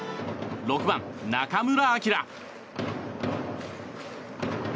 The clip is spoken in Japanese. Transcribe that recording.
６番、中村晃。